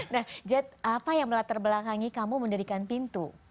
nah jet apa yang melatarbelakangi kamu mendirikan pintu